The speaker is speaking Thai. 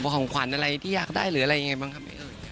ของขวัญอะไรที่อยากได้หรืออะไรยังไงบ้างครับพี่เอ๋ย